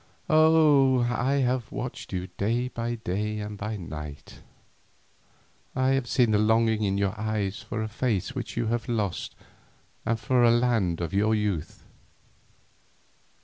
"Oh! I have watched you by day and by night: I have seen the longing in your eyes for a face which you have lost and for the land of your youth.